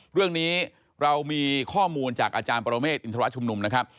เรื่องนี้เรามีข้อมูลจากอาจารย์ปรเมฆอินทรชุมนุมนะครับ